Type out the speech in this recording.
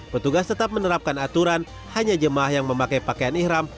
petugas tetap menerapkan aturan hanya jemaah yang memakai pakaian ikhram